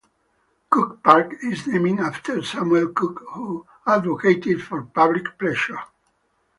Cook Park is named after Samuel Cook who advocated for public pleasure.